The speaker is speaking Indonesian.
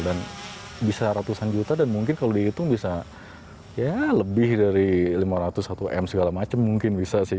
dan bisa ratusan juta dan mungkin kalau dihitung bisa lebih dari lima ratus satu m segala macam mungkin bisa sih